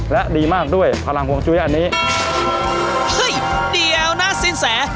และดีมากด้วยพลังฮวงจุ้ยอันนี้เฮ้ยเดี๋ยวนะสินแส